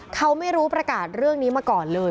เขาไม่รู้ประกาศเรื่องนี้มาก่อนเลย